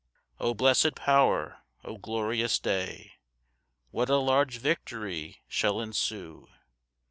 4 O blessed power! 0 glorious day! What a large victory shall ensue!